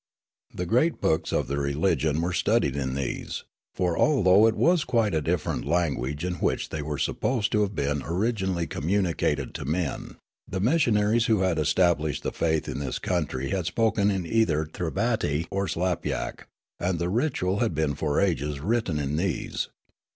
The great books of their religion were studied in these ; for, al though it was quite a different language in which they were supposed to have been originall} communicated to men, the missionaries who had established the faith in this country had spoken in either Thribbaty or Slap 3'ak, and the ritual had been for ages written in these.